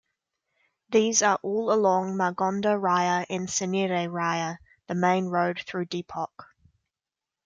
These are all along Margonda Raya and Cinere Raya, the main road through Depok.